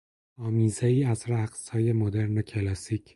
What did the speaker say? آمیزهای از رقصهای مدرن و کلاسیک